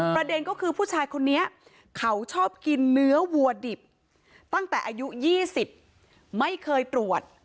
ประเด็นก็คือผู้ชายคนนี้เขาชอบกินเนื้อวัวดิบตั้งแต่อายุ๒๐ไม่เคยตรวจ